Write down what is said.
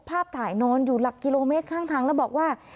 ภาพถ่ายนอนอยู่หลักกิโลเมตรข้างทางแล้วบอกว่า